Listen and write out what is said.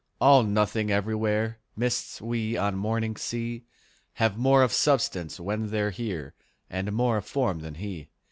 All nothing everywhere: Mists we on mornings see Have more of substance when they're here And more of form than he.